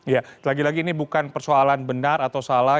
ya lagi lagi ini bukan persoalan benar atau salah